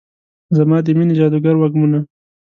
زما د میینې جادوګر وږمونه